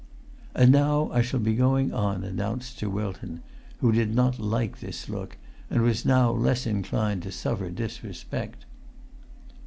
"And now I shall be going on," announced Sir Wilton, who did not like this look, and was now less inclined to suffer disrespect.